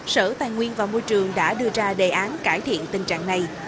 sở tài nguyên và môi trường đã đưa ra đề án cải thiện tình trạng này